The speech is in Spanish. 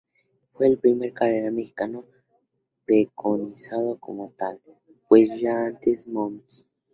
Fue el primer Cardenal mexicano preconizado como tal, pues ya antes Mons.